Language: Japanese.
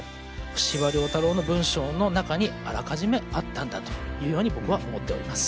司馬太郎の文章の中にあらかじめあったんだというように僕は思っております。